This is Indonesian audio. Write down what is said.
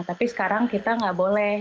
tapi sekarang kita nggak boleh